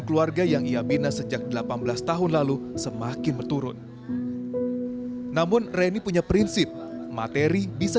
keluarga yang ia bina sejak delapan belas tahun lalu semakin meturun namun reni punya prinsip materi bisa